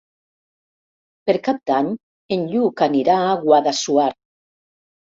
Per Cap d'Any en Lluc anirà a Guadassuar.